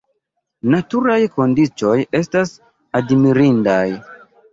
Naturaj kondiĉoj estas admirindaj.